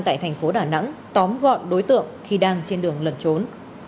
tại tp hcm tóm gọn đối tượng khi đang trên đường lần trốn